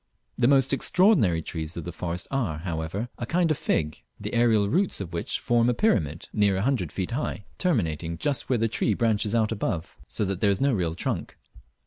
The most extraordinary trees of the forest are, however, a kind of fig, the aerial roots of which form a pyramid near a hundred feet high, terminating just where the tree branches out above, so that there is no real trunk.